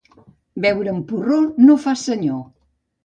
Beure amb porró no fa senyor.